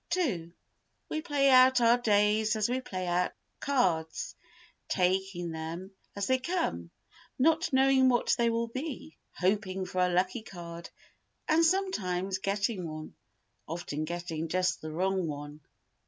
ii We play out our days as we play out cards, taking them as they come, not knowing what they will be, hoping for a lucky card and sometimes getting one, often getting just the wrong one.